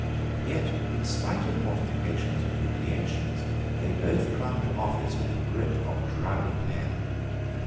Yet, in spite of mortifications and humiliations, they both clung to office with the gripe of drowning men.